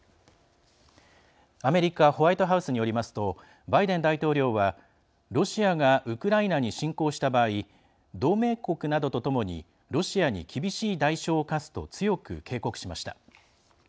アメリカホワイトハウスによりますとバイデン大統領はロシアがウクライナに侵攻した場合同盟国などとともにロシアに厳しい代償を科すと強く警告しました。